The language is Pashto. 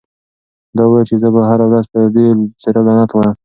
ده وویل چې زه به هره ورځ پر دې څېره لعنت وایم.